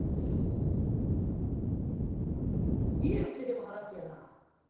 「家売ってでも払ってやらあ」。